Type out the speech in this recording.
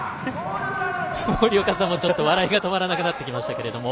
森岡さんも笑いが止まらなくなってきていますけど。